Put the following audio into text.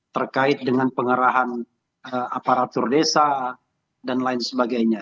terkait dengan pengerahan aparatur desa dan lain sebagainya